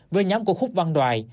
với nhóm của khúc văn đoài